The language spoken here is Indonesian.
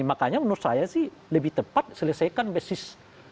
makanya menurut saya sih lebih tepat selesaikan basis